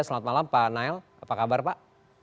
selamat malam pak nael apa kabar pak